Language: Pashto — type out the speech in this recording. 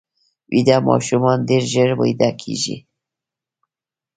ویده ماشومان ډېر ژر ویده کېږي